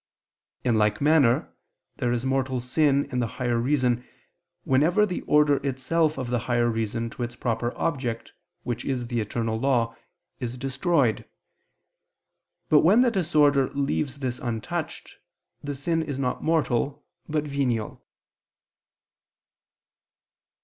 In like manner there is mortal sin in the higher reason whenever the order itself of the higher reason to its proper object which is the eternal law, is destroyed; but when the disorder leaves this untouched, the sin is not mortal but venial.